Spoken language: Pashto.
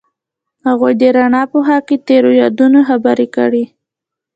هغوی د رڼا په خوا کې تیرو یادونو خبرې کړې.